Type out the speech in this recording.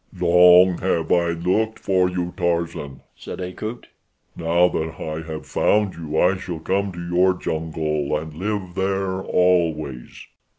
"Long have I looked for you, Tarzan," said Akut. "Now that I have found you I shall come to your jungle and live there always."